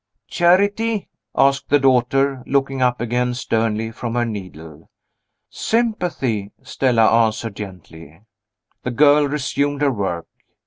"Charity?" asked the daughter, looking up again sternly from her needle. "Sympathy," Stella answered gently. The girl resumed her work.